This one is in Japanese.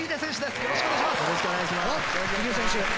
よろしくお願いします。